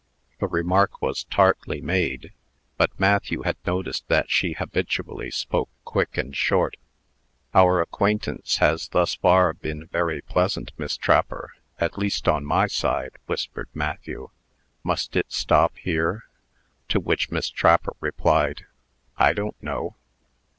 The remark was tartly made; but Matthew had noticed that she habitually spoke quick and short. "Our acquaintance has thus far been very pleasant, Miss Trapper; at least on my side," whispered Matthew. "Must it stop here?" To which Miss Trapper replied, "I don't know."